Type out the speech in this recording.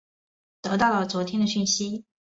得到了昨天的讯息